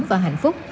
và hạnh phúc